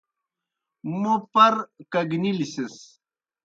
موں پر کگنِلیْ سِس۔